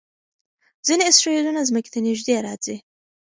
ځینې اسټروېډونه ځمکې ته نږدې راځي.